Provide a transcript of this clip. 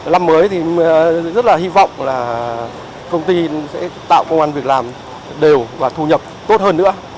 năm mới thì rất là hy vọng là công ty sẽ tạo công an việc làm đều và thu nhập tốt hơn nữa